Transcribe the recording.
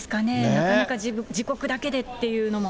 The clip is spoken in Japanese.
なかなか自国だけでっていうのも。